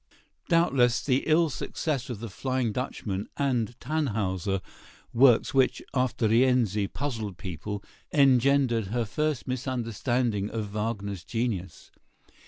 ] Doubtless, the ill success of "The Flying Dutchman" and "Tannhäuser," works which, after "Rienzi," puzzled people, engendered her first misunderstanding of Wagner's genius.